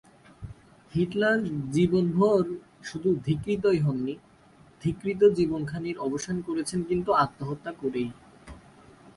Hitler জীবনভর শুধু ধিক্কৃতই হননি, ধিক্কৃত জীবনখানির অবসান করেছেন কিন্তু আত্মহত্যা করেই।